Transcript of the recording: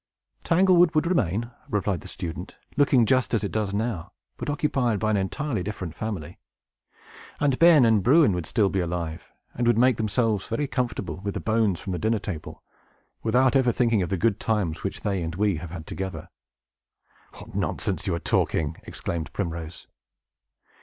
"Tanglewood would remain," replied the student, "looking just as it does now, but occupied by an entirely different family. And Ben and Bruin would be still alive, and would make themselves very comfortable with the bones from the dinner table, without ever thinking of the good times which they and we have had together!" "What nonsense you are talking!" exclaimed Primrose.